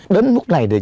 đến mức này